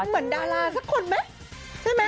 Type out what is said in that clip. เหมือนดาราสักคนมั้ย